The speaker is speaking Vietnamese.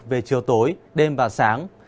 về chiều tối đêm và sáng